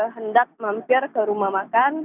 hendak mampir ke rumah makan